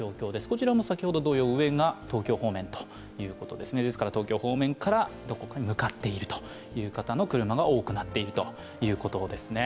こちらも先ほど同様、上が東京方面ということですから東京方面からどこかに向かっている方の車が多くなっているということですね。